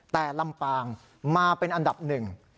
แต่ลำปางมาเป็นอันดับหนึ่ง